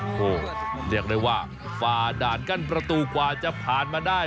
โอ้โหเรียกได้ว่าฝ่าด่านกั้นประตูกว่าจะผ่านมาได้